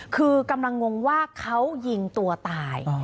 คือกำลังงงว่าเขายิงตัวตาย